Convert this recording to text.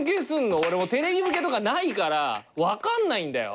俺テレビ向けとかないから分かんないんだよ。